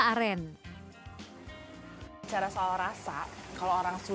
saya ini cair saya sendiri sudah melakukannya dulu